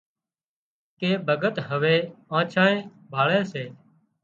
ڪي ڀڳت هوي آنڇانئي ڀاۯي سي